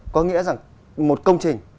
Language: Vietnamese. có nghĩa rằng một công trình